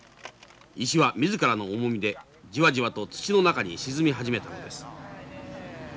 石は自らの重みでジワジワと土の中に沈み始めたのです。